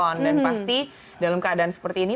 dan pasti dalam keadaan seperti ini